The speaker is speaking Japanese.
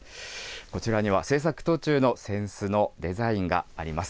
こちらには制作途中の扇子のデザインがあります。